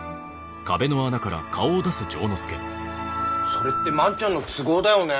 それって万ちゃんの都合だよね。